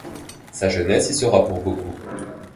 Sa jeunesse y sera pour beaucoup.